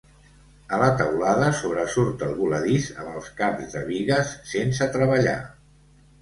A la teulada sobresurt el voladís amb els caps de bigues sense treballar.